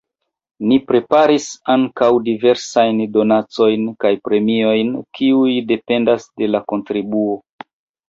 Ni preparis ankaŭ diversajn donacojn kaj premiojn, kiuj dependas de la kontribuo.